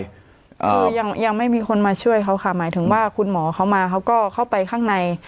คือยังไม่มีคนมาช่วยเขาค่ะหมายถึงว่าคุณหมอเขามาเขาก็เข้าไปข้างใน